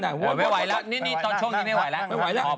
ไม่ไหวแล้วตอนช่วงนี้ไม่ไหวแล้ว